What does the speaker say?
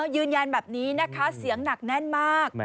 ยืนยันแบบนี้นะคะเสียงหนักแน่นมาก